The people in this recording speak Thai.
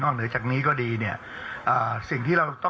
นอกเหนือจากนี้ก็ดี